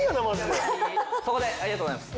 そこでありがとうございます。